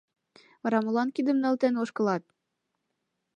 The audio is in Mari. — Вара молан кидым нӧлтен ошкылат?